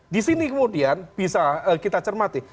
di sini kemudian bisa kita cermati